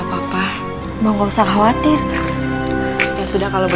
kamu tidak apa apa